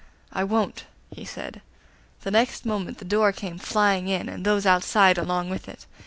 'I won't,' he said. The next moment the door came flying in, and those outside along with it.